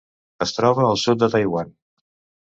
Es troba al sud de Taiwan.